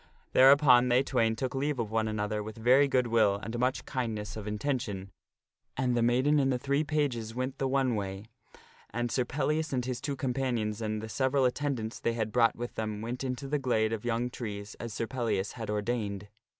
Thereupon they twain took leave of one another with very good will and much kindness of intention, and the maiden and the three pages went the one way, and Sir Pellias and his two companions and the several at tendants they had brought with them went into the glade of young trees as Sir Pellias had ordained.